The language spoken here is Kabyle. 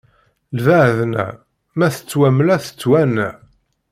Lbaḍna ma tettwamla, tettwanna.